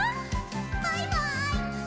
バイバイ！